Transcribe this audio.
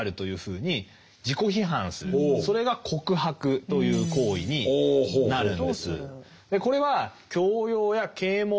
従ってそれが告白という行為になるんです。